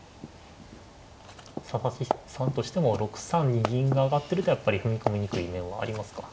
佐々木さんとしても６三に銀が上がってるとやっぱり踏み込みにくい面はありますか。